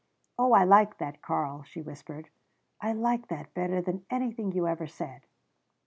"Oh, I like that Karl," she whispered. "I like that better than anything you ever said."